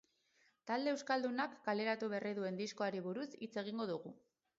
Talde euskaldunak kaleratu berri duen diskoari buruz hitz egingo dugu.